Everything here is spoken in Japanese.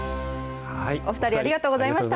お２人ありがとうございました。